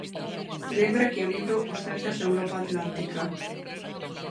Lembra que o libro Os Celtas da Europa Atlántica.